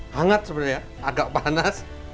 hangat sebenarnya agak panas